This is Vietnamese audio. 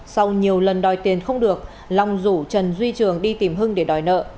sau nhiều lần đòi tiền không được long rủ trần duy trường đi tìm hưng để đòi nợ